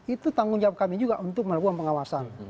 itu tanggung jawab kami juga untuk melakukan pengawasan